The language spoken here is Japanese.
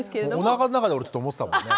おなかの中で俺思ってたもんね。